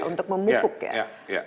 untuk memupuk ya